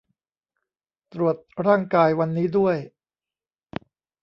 ตรวจร่างกาย วันนี้ด้วย